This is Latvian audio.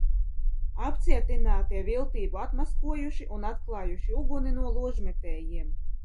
Apcietināmie viltību atmaskojuši un atklājuši uguni no ložmetējiem.